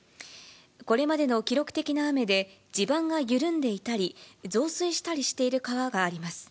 これまでの記録的な雨で、地盤が緩んでいたり、増水したりしている川があります。